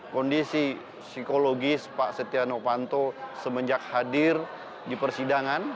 kondisi psikologis pak setia novanto semenjak hadir di persidangan